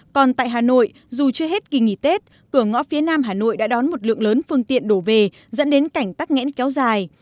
còn tại hà nội dù chưa hết kỳ nghỉ tết cửa ngõ phía nam hà nội đã đón một lượng lớn phương tiện đổ về dẫn đến cảnh tắc nghẽn kéo dài